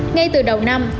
ngay từ đầu năm